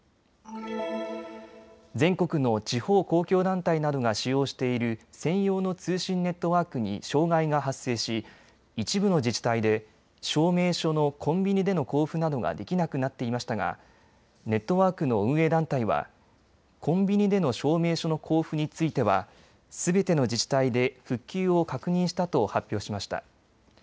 全国の地方公共団体などが使用している専用の通信ネットワークに障害が発生し一部の自治体で証明書のコンビニでの交付などができなくなっていましたがネットワークの運営団体はコンビニでの証明書の交付についてはすべての自治体で復旧を確認したと発表しました。